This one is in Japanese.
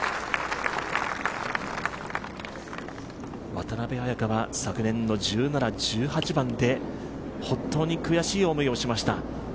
渡邉彩香は昨年の１７、１８番で本当に悔しい思いをしました。